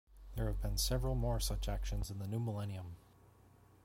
There have been several more such actions in the new millennium.